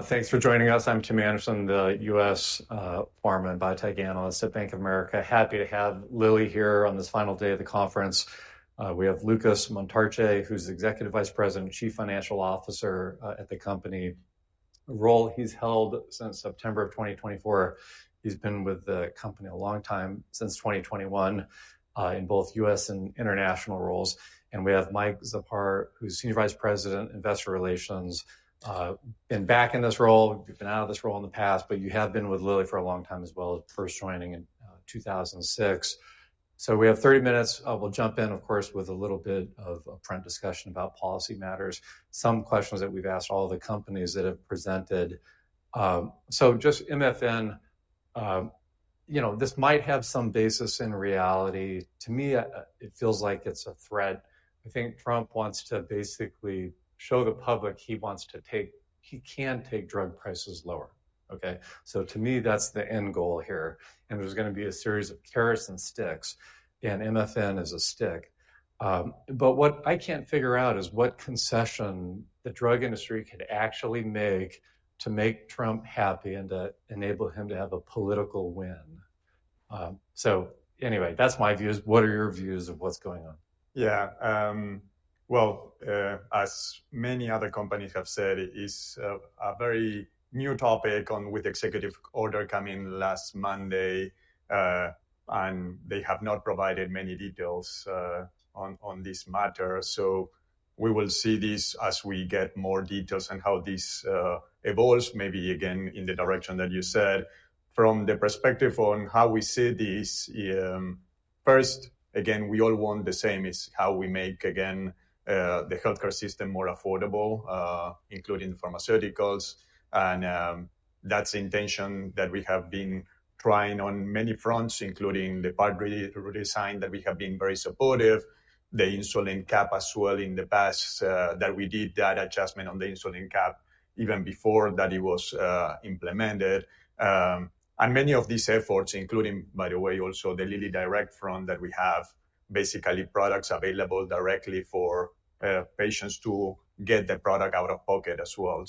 Thanks for joining us. I'm Tim Anderson, the U.S. Pharma and Biotech Analyst at Bank of America. Happy to have Lilly here on this final day of the conference. We have Lucas Montarce, who's Executive Vice President and Chief Financial Officer at the company. The role he's held since September of 2024, he's been with the company a long time, since 2021, in both U.S. and international roles. We have Mike Czapar, who's Senior Vice President, Investor Relations. Been back in this role, been out of this role in the past, but you have been with Lilly for a long time as well, first joining in 2006. We have 30 minutes. We'll jump in, of course, with a little bit of a print discussion about policy matters, some questions that we've asked all of the companies that have presented. MFN, you know, this might have some basis in reality. To me, it feels like it's a threat. I think Trump wants to basically show the public he wants to take—he can take drug prices lower. Okay. To me, that's the end goal here. There's going to be a series of carrots and sticks, and MFN is a stick. What I can't figure out is what concession the drug industry could actually make to make Trump happy and to enable him to have a political win. Anyway, that's my views. What are your views of what's going on? Yeah. As many other companies have said, it is a very new topic with the executive order coming last Monday, and they have not provided many details on this matter. We will see this as we get more details and how this evolves, maybe again in the direction that you said. From the perspective on how we see this, first, again, we all want the same: how we make, again, the healthcare system more affordable, including the pharmaceuticals. That is the intention that we have been trying on many fronts, including the part redesign that we have been very supportive, the insulin cap as well in the past, that we did that adjustment on the insulin cap even before it was implemented. Many of these efforts, including, by the way, also the LillyDirect front that we have, basically products available directly for patients to get the product out of pocket as well.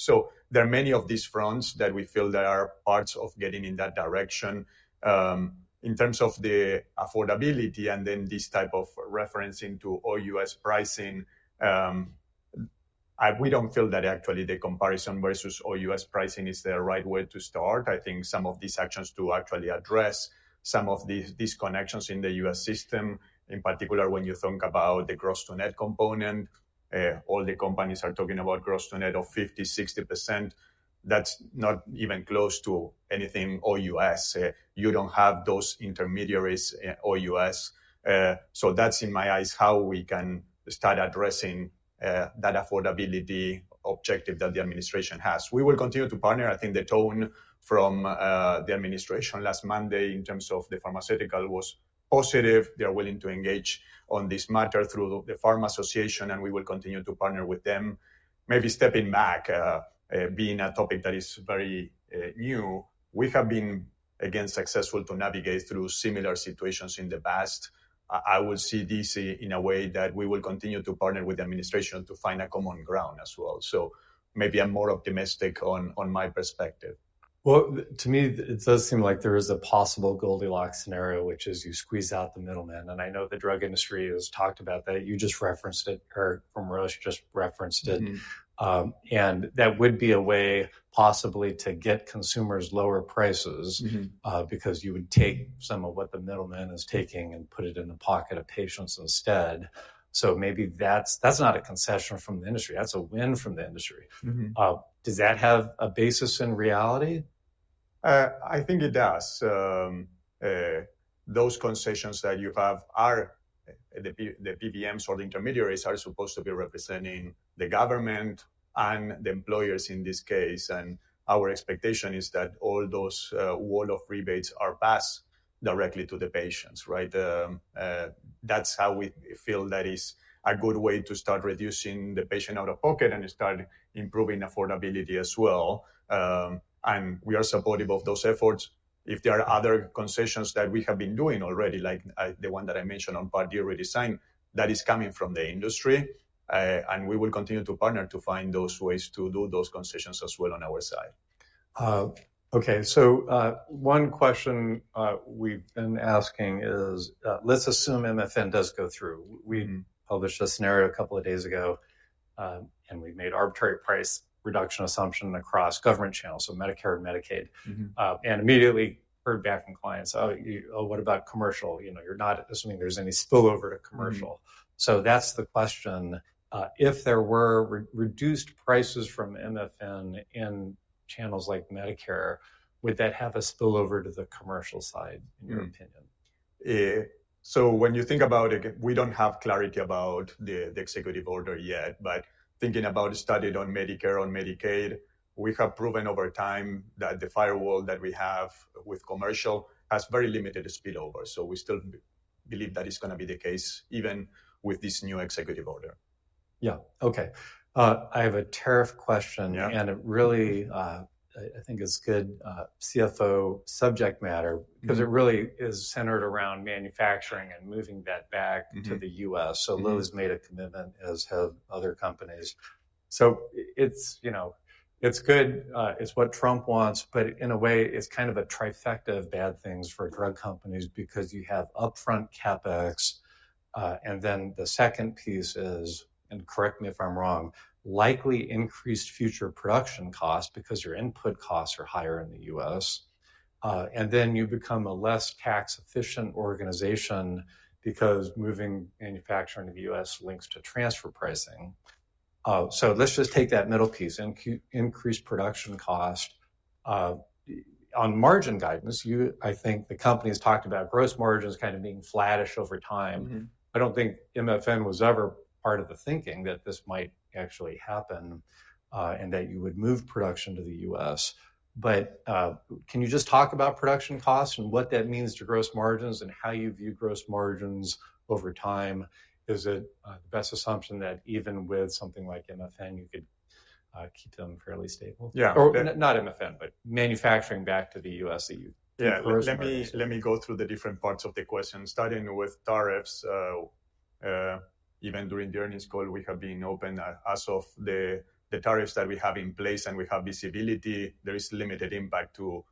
There are many of these fronts that we feel are parts of getting in that direction. In terms of the affordability and then this type of referencing to all U.S. pricing, we do not feel that actually the comparison versus all U.S. pricing is the right way to start. I think some of these actions do actually address some of these disconnections in the U.S. system, in particular when you think about the gross-to-net component. All the companies are talking about gross-to-net of 50% - 60%. That is not even close to anything all U.S. You do not have those intermediaries all U.S. That is, in my eyes, how we can start addressing that affordability objective that the administration has. We will continue to partner. I think the tone from the administration last Monday in terms of the pharmaceutical was positive. They are willing to engage on this matter through the PhRMA Association, and we will continue to partner with them. Maybe stepping back, being a topic that is very new, we have been again successful to navigate through similar situations in the past. I will see this in a way that we will continue to partner with the administration to find a common ground as well. Maybe I'm more optimistic on my perspective. To me, it does seem like there is a possible Goldilocks scenario, which is you squeeze out the middleman. I know the drug industry has talked about that. You just referenced it, or from earlier, you just referenced it. That would be a way possibly to get consumers lower prices because you would take some of what the middleman is taking and put it in the pocket of patients instead. Maybe that is not a concession from the industry. That is a win from the industry. Does that have a basis in reality? I think it does. Those concessions that you have are the PBMs or the intermediaries are supposed to be representing the government and the employers in this case. Our expectation is that all those wall of rebates are passed directly to the patients, right? That's how we feel that is a good way to start reducing the patient out of pocket and start improving affordability as well. We are supportive of those efforts. If there are other concessions that we have been doing already, like the one that I mentioned on Part D redesign, that is coming from the industry. We will continue to partner to find those ways to do those concessions as well on our side. Okay. One question we've been asking is, let's assume MFN does go through. We published a scenario a couple of days ago, and we made arbitrary price reduction assumption across government channels, so Medicare and Medicaid. Immediately heard back from clients, "Oh, what about commercial? You know, you're not assuming there's any spillover to commercial." That's the question. If there were reduced prices from MFN in channels like Medicare, would that have a spillover to the commercial side, in your opinion? When you think about it, we don't have clarity about the executive order yet, but thinking about studies on Medicare, on Medicaid, we have proven over time that the firewall that we have with commercial has very limited spillover. We still believe that is going to be the case even with this new executive order. Yeah. Okay. I have a tariff question, and it really, I think, is good CFO subject matter because it really is centered around manufacturing and moving that back to the U.S. Lilly's made a commitment, as have other companies. It is good. It is what Trump wants, but in a way, it is kind of a trifecta of bad things for drug companies because you have upfront CapEx. The second piece is, and correct me if I am wrong, likely increased future production costs because your input costs are higher in the U.S. You become a less tax-efficient organization because moving manufacturing to the U.S. links to transfer pricing. Let us just take that middle piece and increase production cost. On margin guidance, I think the companies talked about gross margins kind of being flattish over time. I don't think MFN was ever part of the thinking that this might actually happen and that you would move production to the U.S. Can you just talk about production costs and what that means to gross margins and how you view gross margins over time? Is it the best assumption that even with something like MFN, you could keep them fairly stable? Yeah. Or not MFN, but manufacturing back to the U.S. that you gross margins? Yeah. Let me go through the different parts of the question, starting with tariffs. Even during the earnings call, we have been open as of the tariffs that we have in place and we have visibility. There is limited impact to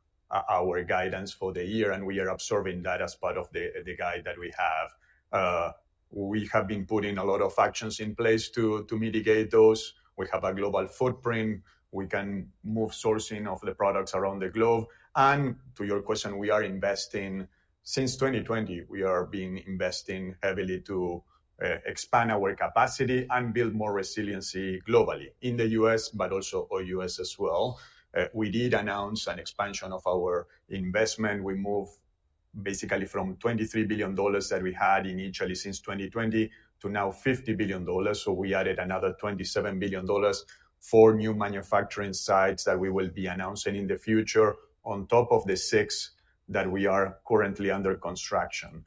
our guidance for the year, and we are observing that as part of the guide that we have. We have been putting a lot of actions in place to mitigate those. We have a global footprint. We can move sourcing of the products around the globe. To your question, we are investing since 2020, we are being investing heavily to expand our capacity and build more resiliency globally in the U.S., but also all U.S. as well. We did announce an expansion of our investment. We moved basically from $23 billion that we had in each early since 2020 to now $50 billion. We added another $27 billion for new manufacturing sites that we will be announcing in the future on top of the six that we are currently under construction.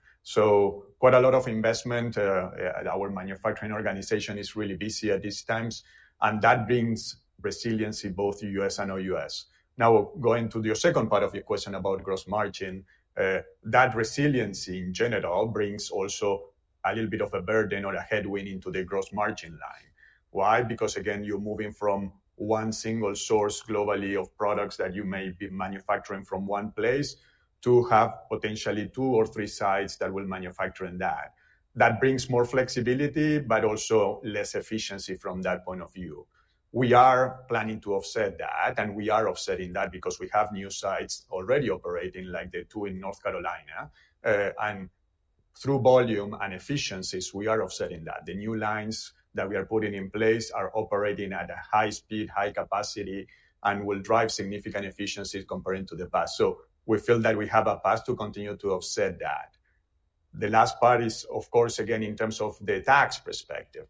Quite a lot of investment. Our manufacturing organization is really busy at these times, and that brings resiliency both U.S. and all U.S. Now, going to the second part of your question about gross margin, that resiliency in general brings also a little bit of a burden or a headwind into the gross margin line. Why? Because, again, you're moving from one single source globally of products that you may be manufacturing from one place to have potentially two or three sites that will manufacture in that. That brings more flexibility, but also less efficiency from that point of view. We are planning to offset that, and we are offsetting that because we have new sites already operating, like the two in North Carolina. Through volume and efficiencies, we are offsetting that. The new lines that we are putting in place are operating at a high speed, high capacity, and will drive significant efficiencies compared to the past. We feel that we have a path to continue to offset that. The last part is, of course, again, in terms of the tax perspective.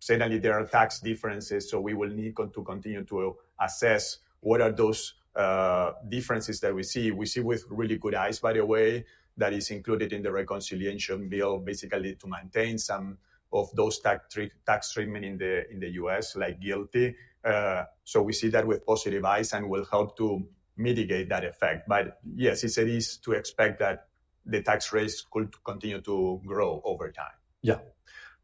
Certainly, there are tax differences, so we will need to continue to assess what are those differences that we see. We see with really good eyes, by the way, that is included in the reconciliation bill, basically to maintain some of those tax treatment in the U.S., like GILTI. We see that with positive eyes and will help to mitigate that effect. Yes, it's easy to expect that the tax rates could continue to grow over time. Yeah.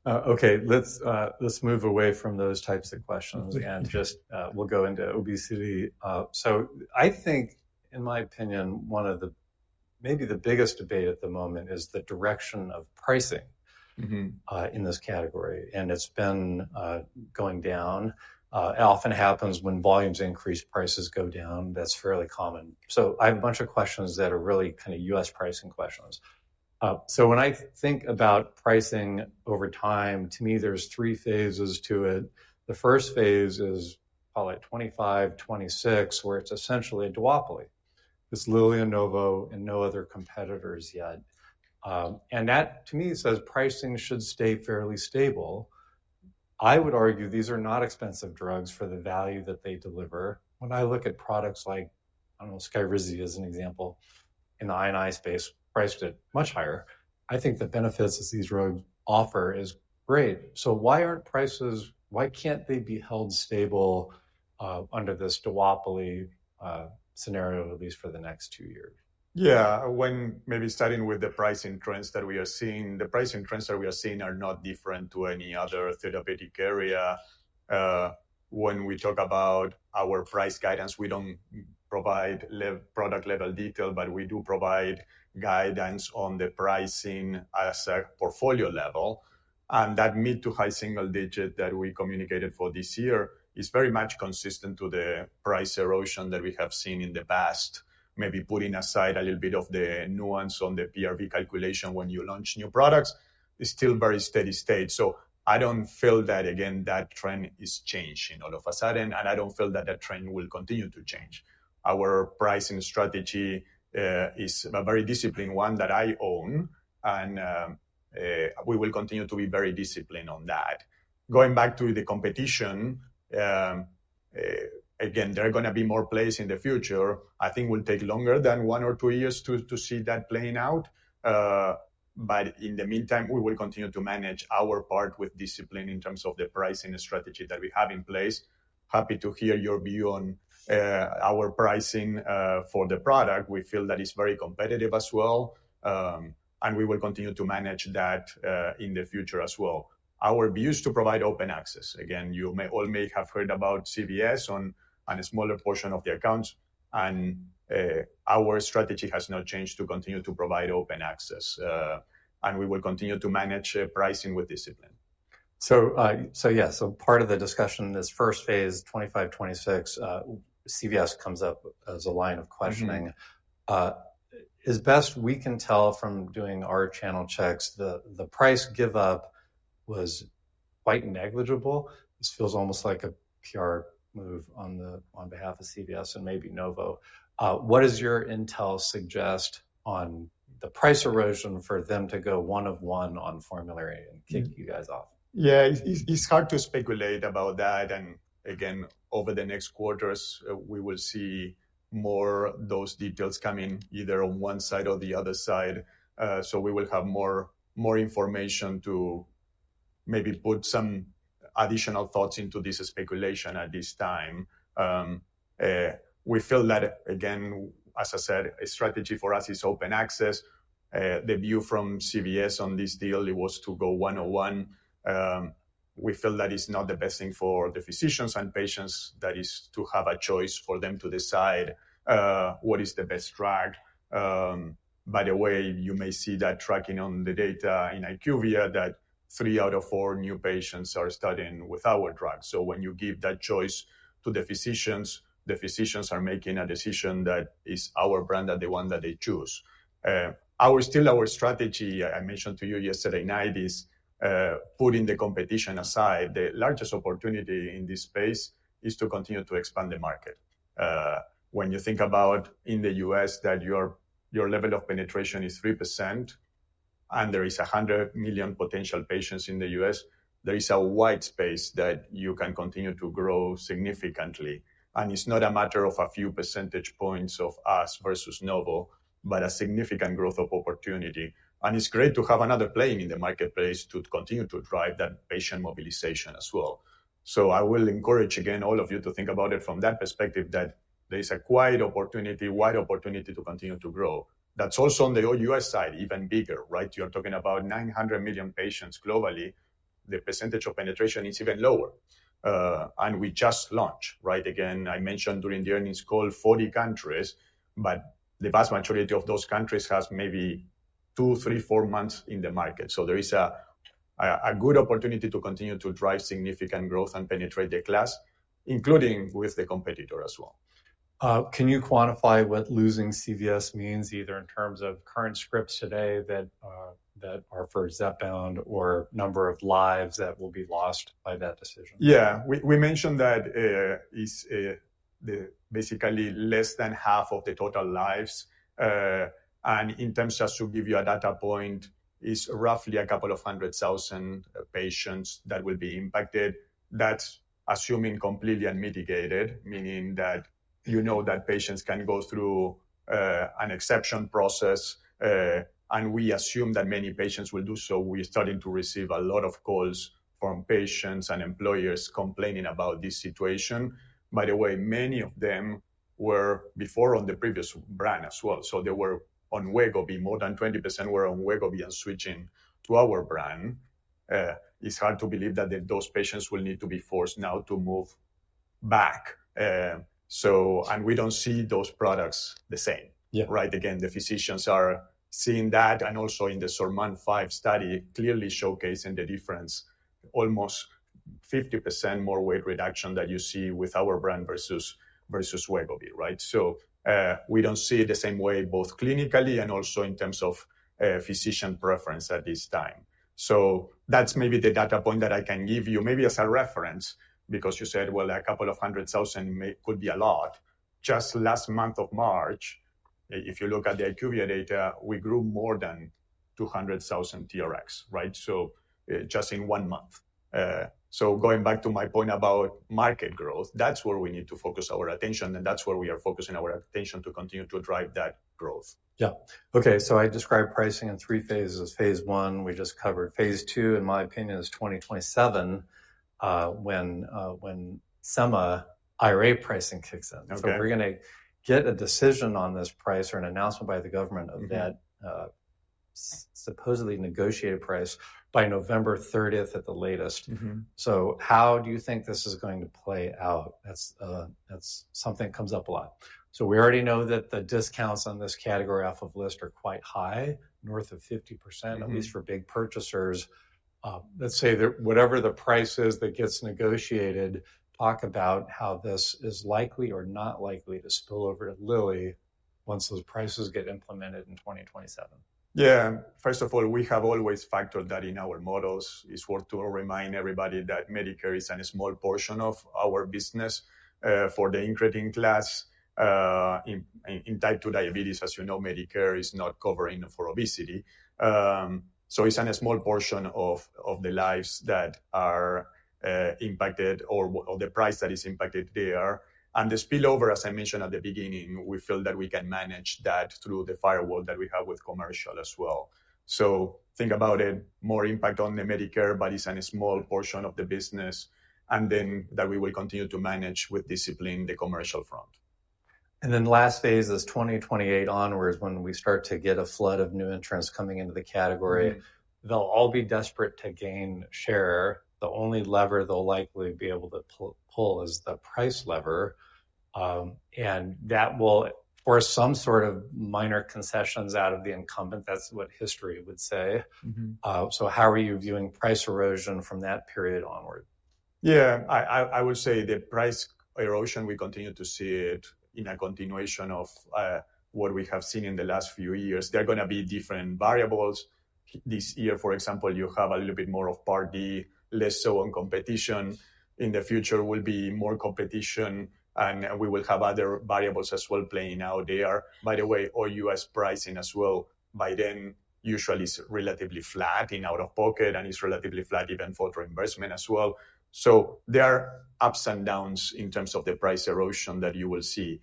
Okay. Let's move away from those types of questions and just we'll go into obesity. I think, in my opinion, one of the maybe the biggest debate at the moment is the direction of pricing in this category. It's been going down. It often happens when volumes increase, prices go down. That's fairly common. I have a bunch of questions that are really kind of U.S. pricing questions. When I think about pricing over time, to me, there's three phases to it. The first phase is probably like 2025, 2026, where it's essentially a duopoly. It's Lilly and Novo and no other competitors yet. That, to me, says pricing should stay fairly stable. I would argue these are not expensive drugs for the value that they deliver. When I look at products like, I don't know, SKYRIZI as an example in the I&I space, priced it much higher. I think the benefits that these drugs offer is great. Why aren't prices, why can't they be held stable under this duopoly scenario, at least for the next two years? Yeah. When maybe starting with the pricing trends that we are seeing, the pricing trends that we are seeing are not different to any other therapeutic area. When we talk about our price guidance, we do not provide product-level detail, but we do provide guidance on the pricing at a portfolio level. That mid to high single digit that we communicated for this year is very much consistent with the price erosion that we have seen in the past, maybe putting aside a little bit of the nuance on the PRV calculation when you launch new products, is still very steady state. I do not feel that, again, that trend is changing all of a sudden, and I do not feel that that trend will continue to change. Our pricing strategy is a very disciplined one that I own, and we will continue to be very disciplined on that. Going back to the competition, again, there are going to be more plays in the future. I think it will take longer than one or two years to see that playing out. In the meantime, we will continue to manage our part with discipline in terms of the pricing strategy that we have in place. Happy to hear your view on our pricing for the product. We feel that it's very competitive as well, and we will continue to manage that in the future as well. Our view is to provide open access. You all may have heard about CVS on a smaller portion of the accounts, and our strategy has not changed to continue to provide open access. We will continue to manage pricing with discipline. Yeah, part of the discussion in this first phase, 2025, 2026, CVS comes up as a line of questioning. As best we can tell from doing our channel checks, the price give-up was quite negligible. This feels almost like a PR move on behalf of CVS and maybe Novo. What does your intel suggest on the price erosion for them to go one of one on formulary and kick you guys off? Yeah, it's hard to speculate about that. Again, over the next quarters, we will see more of those details coming either on one side or the other side. We will have more information to maybe put some additional thoughts into this speculation at this time. We feel that, again, as I said, a strategy for us is open access. The view from CVS on this deal, it was to go one-on-one. We feel that it's not the best thing for the physicians and patients, that is, to have a choice for them to decide what is the best drug. By the way, you may see that tracking on the data in IQVIA that three out of four new patients are starting with our drug. When you give that choice to the physicians, the physicians are making a decision that is our brand, that the one that they choose. Still, our strategy, I mentioned to you yesterday night, is putting the competition aside. The largest opportunity in this space is to continue to expand the market. When you think about in the U.S. that your level of penetration is 3% and there is 100 million potential patients in the U.S., there is a wide space that you can continue to grow significantly. It's not a matter of a few percentage points of us versus Novo, but a significant growth of opportunity. It's great to have another playing in the marketplace to continue to drive that patient mobilization as well. I will encourage, again, all of you to think about it from that perspective that there is a quite opportunity, wide opportunity to continue to grow. That is also on the U.S. side, even bigger, right? You are talking about 900 million patients globally. The percentage of penetration is even lower. We just launched, right? Again, I mentioned during the earnings call, 40 countries, but the vast majority of those countries has maybe two, three, four months in the market. There is a good opportunity to continue to drive significant growth and penetrate the class, including with the competitor as well. Can you quantify what losing CVS means either in terms of current scripts today that are for Zepbound or number of lives that will be lost by that decision? Yeah. We mentioned that it's basically less than half of the total lives. And in terms just to give you a data point, it's roughly a couple of hundred thousand patients that will be impacted. That's assuming completely unmitigated, meaning that, you know, that patients can go through an exception process. And we assume that many patients will do so. We're starting to receive a lot of calls from patients and employers complaining about this situation. By the way, many of them were before on the previous brand as well. So they were on WEGOVY. More than 20% were on WEGOVY and switching to our brand. It's hard to believe that those patients will need to be forced now to move back. And we don't see those products the same. Right? Again, the physicians are seeing that and also in the SURMOUNT-5 study, clearly showcasing the difference, almost 50% more weight reduction that you see with our brand versus WEGOVY, right? We do not see it the same way both clinically and also in terms of physician preference at this time. That is maybe the data point that I can give you maybe as a reference because you said, you know, a couple of 100,000 could be a lot. Just last month of March, if you look at the IQVIA data, we grew more than 200,000 TRx, right? Just in one month. Going back to my point about market growth, that is where we need to focus our attention, and that is where we are focusing our attention to continue to drive that growth. Yeah. Okay. I described pricing in three phases. Phase one, we just covered. Phase two, in my opinion, is 2027 when SEMA IRA pricing kicks in. We are going to get a decision on this price or an announcement by the government of that supposedly negotiated price by November 30th at the latest. How do you think this is going to play out? That is something that comes up a lot. We already know that the discounts on this category off of list are quite high, north of 50%, at least for big purchasers. Let's say that whatever the price is that gets negotiated, talk about how this is likely or not likely to spill over to Lilly once those prices get implemented in 2027. Yeah. First of all, we have always factored that in our models. It's worth to remind everybody that Medicare is a small portion of our business for the incretin class. In type 2 diabetes, as you know, Medicare is not covering for obesity. It's a small portion of the lives that are impacted or the price that is impacted there. The spillover, as I mentioned at the beginning, we feel that we can manage that through the firewall that we have with commercial as well. Think about it, more impact on the Medicare, but it's a small portion of the business. That we will continue to manage with discipline the commercial front. The last phase is 2028 onwards when we start to get a flood of new entrants coming into the category. They'll all be desperate to gain share. The only lever they'll likely be able to pull is the price lever. That will force some sort of minor concessions out of the incumbent. That's what history would say. How are you viewing price erosion from that period onward? Yeah. I would say the price erosion, we continue to see it in a continuation of what we have seen in the last few years. There are going to be different variables. This year, for example, you have a little bit more of Part D, less so on competition. In the future, will be more competition, and we will have other variables as well playing out there. By the way, all U.S. pricing as well by then usually is relatively flat in out-of-pocket, and it's relatively flat even for reimbursement as well. There are ups and downs in terms of the price erosion that you will see.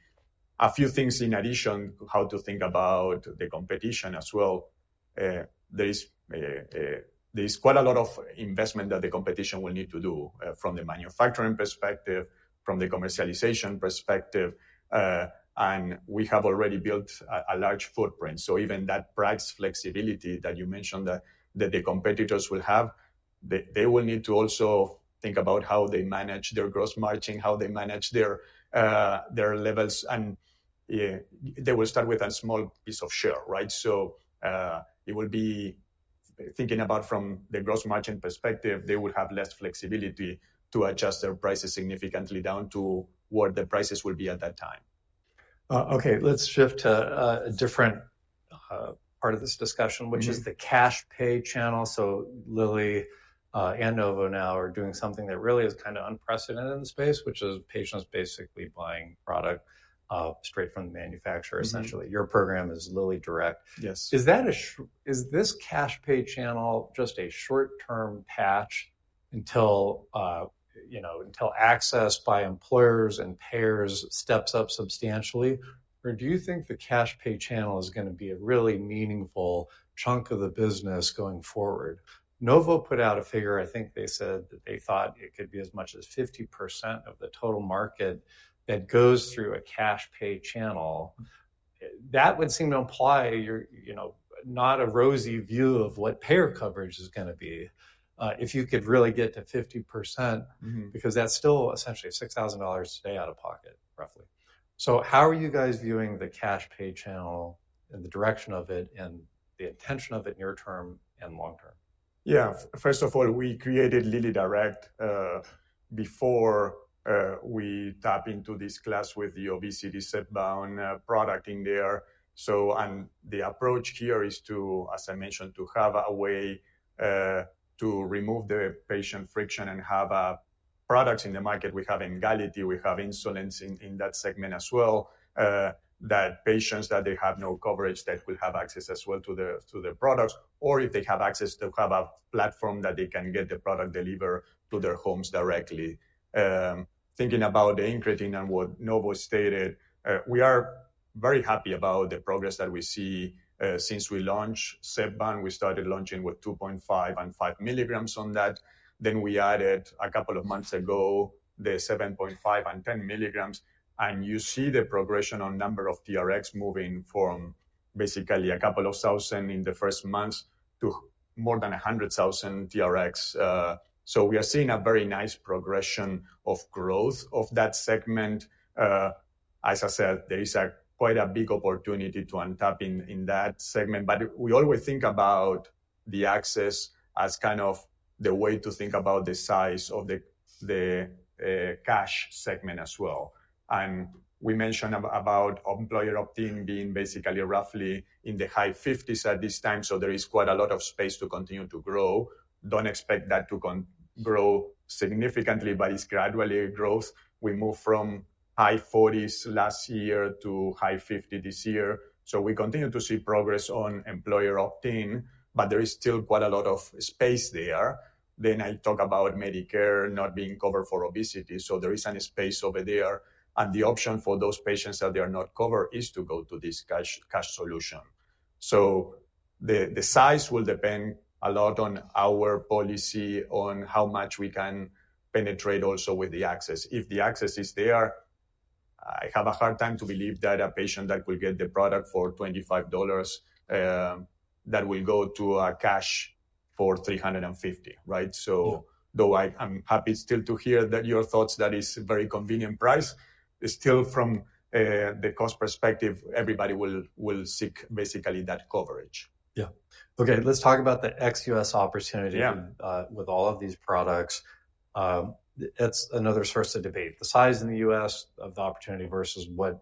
A few things in addition, how to think about the competition as well. There is quite a lot of investment that the competition will need to do from the manufacturing perspective, from the commercialization perspective. We have already built a large footprint. Even that price flexibility that you mentioned that the competitors will have, they will need to also think about how they manage their gross margin, how they manage their levels. They will start with a small piece of share, right? It will be thinking about from the gross margin perspective, they will have less flexibility to adjust their prices significantly down to what the prices will be at that time. Okay. Let's shift to a different part of this discussion, which is the cash pay channel. Lilly and Novo now are doing something that really is kind of unprecedented in the space, which is patients basically buying product straight from the manufacturer, essentially. Your program is LillyDirect. Is this cash pay channel just a short-term patch until access by employers and payers steps up substantially? Or do you think the cash pay channel is going to be a really meaningful chunk of the business going forward? Novo put out a figure. I think they said that they thought it could be as much as 50% of the total market that goes through a cash pay channel. That would seem to imply not a rosy view of what payer coverage is going to be if you could really get to 50% because that's still essentially $6,000 a day out of pocket, roughly. How are you guys viewing the cash pay channel and the direction of it and the intention of it near term and long term? Yeah. First of all, we created LillyDirect before we tapped into this class with the obesity Zepbound product in there. The approach here is to, as I mentioned, have a way to remove the patient friction and have products in the market. We have Emgality, we have insulins in that segment as well, that patients that have no coverage will have access as well to the products, or if they have access, to have a platform that they can get the product delivered to their homes directly. Thinking about the incretin and what Novo stated, we are very happy about the progress that we see since we launched Zepbound. We started launching with 2.5 and 5 milligrams on that. We added a couple of months ago the 7.5 and 10 milligrams. You see the progression on number of TRx moving from basically a couple of thousand in the first months to more than 100,000 TRx. We are seeing a very nice progression of growth of that segment. As I said, there is quite a big opportunity to untap in that segment. We always think about the access as kind of the way to think about the size of the cash segment as well. We mentioned about employer opt-in being basically roughly in the high 50% at this time. There is quite a lot of space to continue to grow. Do not expect that to grow significantly, but it is gradually growth. We moved from high 40% last year to high 50% this year. We continue to see progress on employer opt-in, but there is still quite a lot of space there. I talk about Medicare not being covered for obesity. There is a space over there. The option for those patients that are not covered is to go to this cash solution. The size will depend a lot on our policy, on how much we can penetrate also with the access. If the access is there, I have a hard time to believe that a patient that will get the product for $25 will go to a cash for $350, right? I am happy still to hear your thoughts that it is a very convenient price. Still, from the cost perspective, everybody will seek basically that coverage. Yeah. Okay. Let's talk about the ex-U.S. opportunity with all of these products. That's another source of debate. The size in the U.S. of the opportunity versus what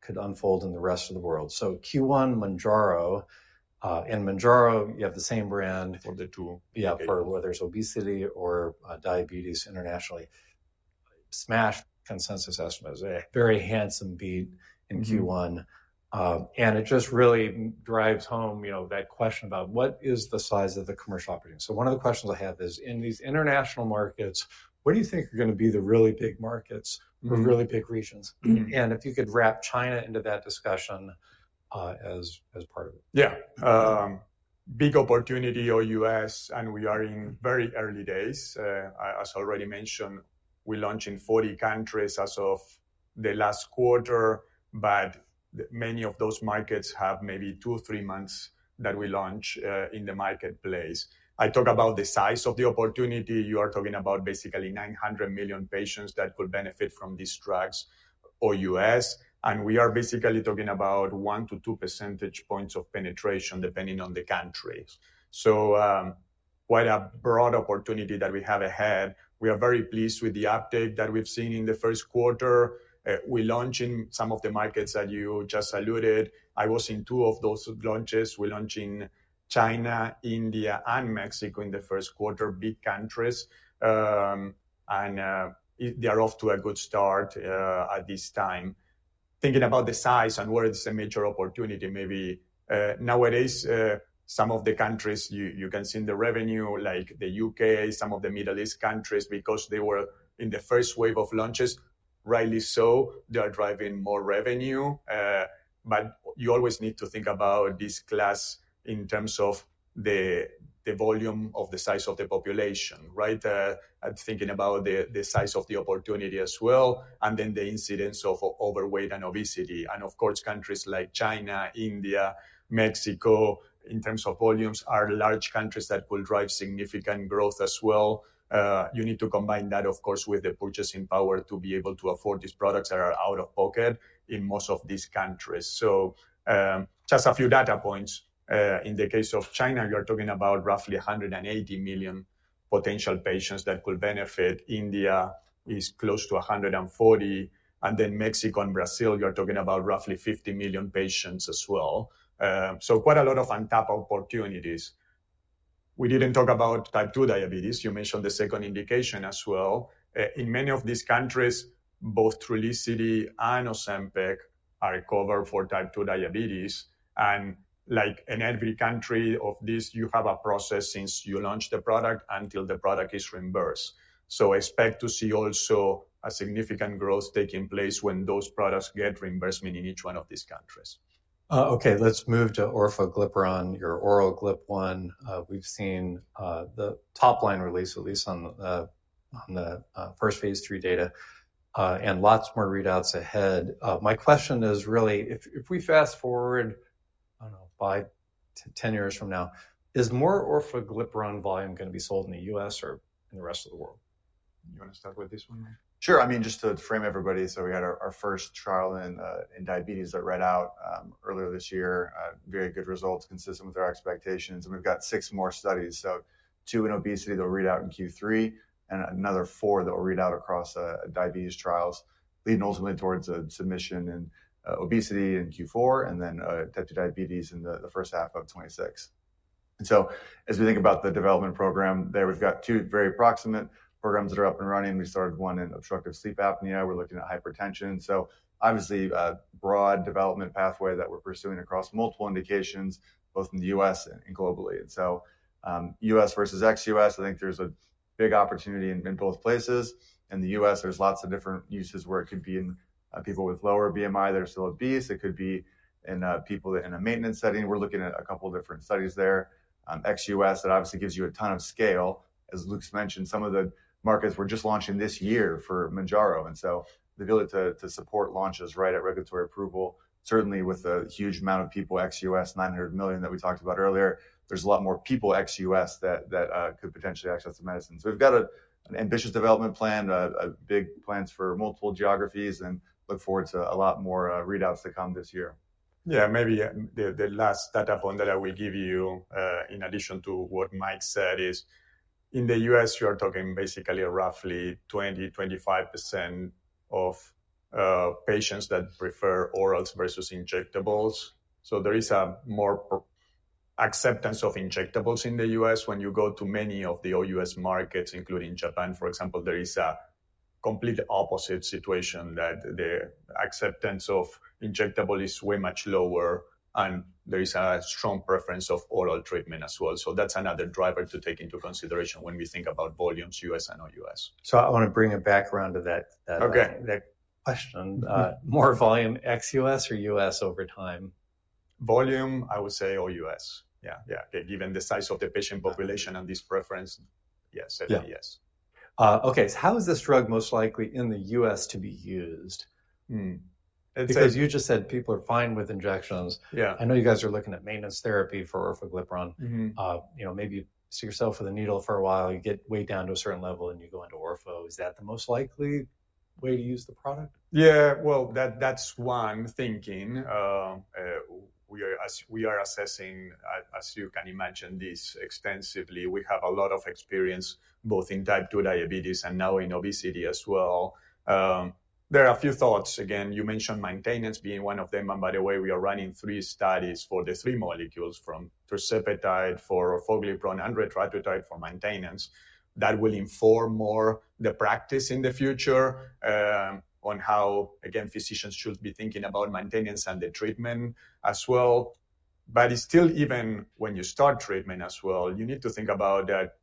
could unfold in the rest of the world. Q1, Mounjaro. In Mounjaro, you have the same brand. For the two. Yeah, for whether it's obesity or diabetes internationally. Smash consensus estimates. Very handsome beat in Q1. It just really drives home that question about what is the size of the commercial operating. One of the questions I have is, in these international markets, what do you think are going to be the really big markets or really big regions? If you could wrap China into that discussion as part of it. Yeah. Big opportunity for U.S., and we are in very early days. As already mentioned, we launched in 40 countries as of the last quarter, but many of those markets have maybe two, three months that we launch in the marketplace. I talk about the size of the opportunity. You are talking about basically 900 million patients that could benefit from these drugs for U.S. And we are basically talking about one to two percentage points of penetration depending on the country. Quite a broad opportunity that we have ahead. We are very pleased with the uptake that we've seen in the first quarter. We launched in some of the markets that you just alluded. I was in two of those launches. We launched in China, India, and Mexico in the first quarter, big countries. They are off to a good start at this time. Thinking about the size and where it's a major opportunity, maybe nowadays, some of the countries you can see in the revenue, like the U.K., some of the Middle East countries, because they were in the first wave of launches, rightly so, they are driving more revenue. You always need to think about this class in terms of the volume of the size of the population, right? Thinking about the size of the opportunity as well, and then the incidence of overweight and obesity. Of course, countries like China, India, Mexico, in terms of volumes, are large countries that could drive significant growth as well. You need to combine that, of course, with the purchasing power to be able to afford these products that are out of pocket in most of these countries. Just a few data points. In the case of China, you are talking about roughly 180 million potential patients that could benefit. India is close to 140 million. And then Mexico and Brazil, you are talking about roughly 50 million patients as well. Quite a lot of untapped opportunities. We did not talk about type 2 diabetes. You mentioned the second indication as well. In many of these countries, both Trulicity and Ozempic are covered for type 2 diabetes. Like in every country of this, you have a process since you launched the product until the product is reimbursed. Expect to see also a significant growth taking place when those products get reimbursement in each one of these countries. Okay. Let's move to orforglipron, your oral GLP-1. We've seen the top line release, at least on the first phase three data, and lots more readouts ahead. My question is really, if we fast forward, I don't know, five to 10 years from now, is more orforglipron volume going to be sold in the U.S. or in the rest of the world? You want to start with this one? Sure. I mean, just to frame everybody. We had our first trial in diabetes that read out earlier this year, very good results consistent with our expectations. We have six more studies. Two in obesity will read out in Q3 and another four will read out across diabetes trials, leading ultimately towards a submission in obesity in Q4 and then type 2 diabetes in the first half of 2026. As we think about the development program there, we have two very approximate programs that are up and running. We started one in obstructive sleep apnea. We are looking at hypertension. Obviously a broad development pathway that we are pursuing across multiple indications, both in the U.S. and globally. U.S. versus ex-U.S., I think there is a big opportunity in both places. In the U.S., there's lots of different uses where it could be in people with lower BMI that are still obese. It could be in people in a maintenance setting. We're looking at a couple of different studies there. Ex-U.S. that obviously gives you a ton of scale. As Luke's mentioned, some of the markets we're just launching this year for Mounjaro. The ability to support launches right at regulatory approval, certainly with a huge amount of people ex-U.S., 900 million that we talked about earlier, there's a lot more people ex-U.S. that could potentially access the medicine. We've got an ambitious development plan, big plans for multiple geographies, and look forward to a lot more readouts to come this year. Yeah, maybe the last data point that I will give you in addition to what Mike said is in the U.S., you are talking basically roughly 20% - 25% of patients that prefer orals versus injectables. There is a more acceptance of injectables in the U.S. When you go to many of the all-U.S. markets, including Japan, for example, there is a complete opposite situation that the acceptance of injectable is way much lower, and there is a strong preference of oral treatment as well. That is another driver to take into consideration when we think about volumes, U.S. and all-U.S. I want to bring a background to that question. More volume ex-U.S. or U.S. over time? Volume, I would say all-U.S. Yeah, yeah. Given the size of the patient population and this preference, yes, certainly yes. Okay. How is this drug most likely in the U.S. to be used? Because you just said people are fine with injections. I know you guys are looking at maintenance therapy for orforglipron. Maybe stick yourself with a needle for a while, you get weighed down to a certain level and you go into ortho. Is that the most likely way to use the product? Yeah, that's one thinking. We are assessing, as you can imagine, this extensively. We have a lot of experience both in type 2 diabetes and now in obesity as well. There are a few thoughts. Again, you mentioned maintenance being one of them. By the way, we are running three studies for the three molecules, for tirzepatide, for orforglipron, and retatrutide for maintenance. That will inform more the practice in the future on how, again, physicians should be thinking about maintenance and the treatment as well. Still, even when you start treatment as well, you need to think about that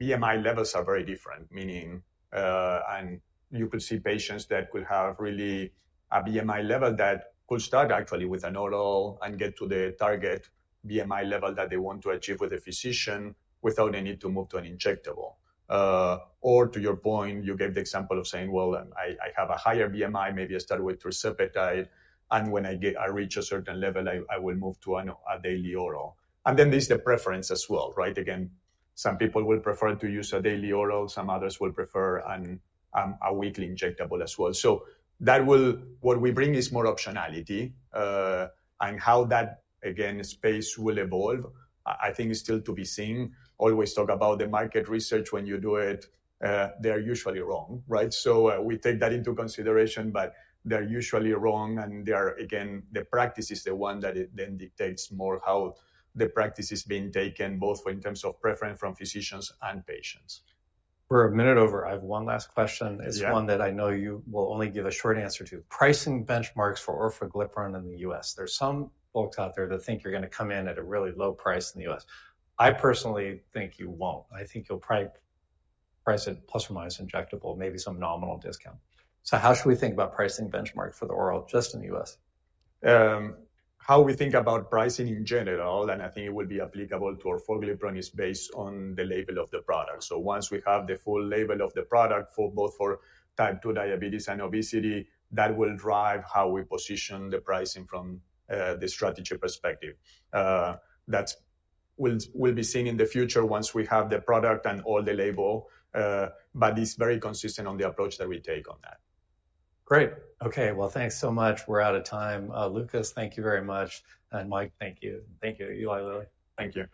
BMI levels are very different, meaning you could see patients that could have really a BMI level that could start actually with an oral and get to the target BMI level that they want to achieve with a physician without a need to move to an injectable. To your point, you gave the example of saying, well, I have a higher BMI, maybe I start with terzepatide, and when I reach a certain level, I will move to a daily oral. There is the preference as well, right? Again, some people will prefer to use a daily oral, some others will prefer a weekly injectable as well. What we bring is more optionality. How that space will evolve, I think is still to be seen. Always talk about the market research when you do it. They're usually wrong, right? We take that into consideration, but they're usually wrong. Again, the practice is the one that then dictates more how the practice is being taken, both in terms of preference from physicians and patients. We're a minute over. I have one last question. It's one that I know you will only give a short answer to. Pricing benchmarks for orforglipron in the U.S. There's some folks out there that think you're going to come in at a really low price in the U.S. I personally think you won't. I think you'll probably price it plus or minus injectable, maybe some nominal discount. How should we think about pricing benchmarks for the oral just in the U.S.? How we think about pricing in general, and I think it will be applicable to orforglipron, is based on the label of the product. Once we have the full label of the product for both type 2 diabetes and obesity, that will drive how we position the pricing from the strategy perspective. That will be seen in the future once we have the product and all the label, but it's very consistent on the approach that we take on that. Great. Okay. Thanks so much. We're out of time. Lucas, thank you very much. And Mike, thank you. Thank you. You, Eli Lilly. Thank you.